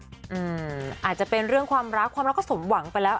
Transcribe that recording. อาจจะเป็นเรื่องความรักความรักก็สมหวังไปแล้ว